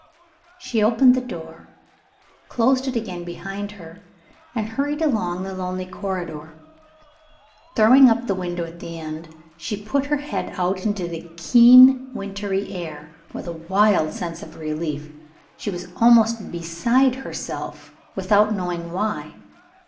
She opened the door: closed it again behind her; and hurried along the lonely corridor. Throwing up the window at the end, she put her head out into the keen wintry air, with a wild sense of relief. She was almost beside herself, without knowing why.